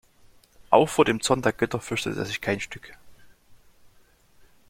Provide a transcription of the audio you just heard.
Auch vor dem Zorn der Götter fürchtet er sich kein Stück.